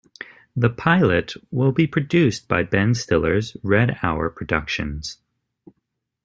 The pilot will be produced by Ben Stiller's Red Hour Productions.